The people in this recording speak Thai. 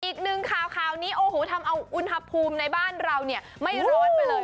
อีกนึงคราวนี้โอ้โหทำเอาอุณหภูมิในบ้านเราไม่ร้อนไปเลย